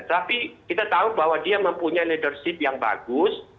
tapi kita tahu bahwa dia mempunyai leadership yang bagus